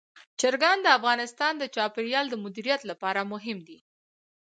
چرګان د افغانستان د چاپیریال د مدیریت لپاره مهم دي.